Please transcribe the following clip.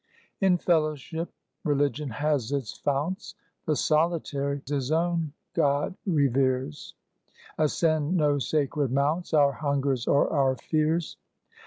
In fellowship religion has its founts: The solitary his own God reveres: Ascend no sacred Mounts Our hungers or our fears.